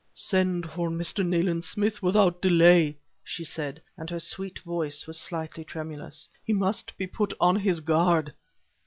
"Send for Mr. Nayland Smith without delay!" she said, and her sweet voice was slightly tremulous. "He must be put on his guard!"